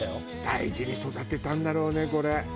大事に育てたんだろうねこれ。